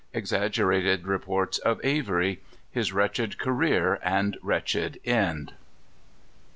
Exaggerated Reports of Avery. His wretched Career, and wretched End.